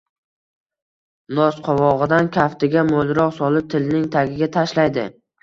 Nosqovog‘idan kaftiga mo‘lroq solib tilining tagiga tashlaydi.